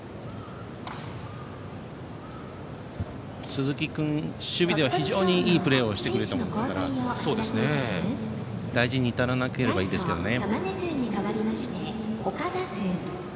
鈴木君、守備では非常にいいプレーをしたものですから大事に至らなければいいですけどね。